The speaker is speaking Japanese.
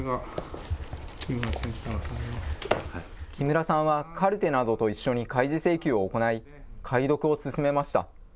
木村さんはカルテなどと一緒に開示請求を行い、解読を進めました。